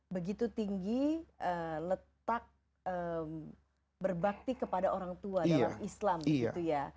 begitu tinggi letak berbakti kepada orang tua dalam islam